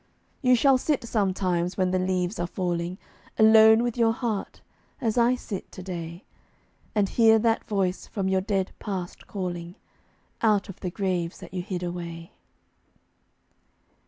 You shall sit sometimes, when the leaves are falling, Alone with your heart, as I sit to day, And hear that voice from your dead Past calling Out of the graves that you hid away.